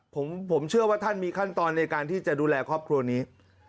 ผมเชื่อว่าท่านมีขั้นตอนในการที่จะดูแลครอบครัวนี้